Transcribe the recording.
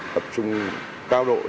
tập trung cao đối tượng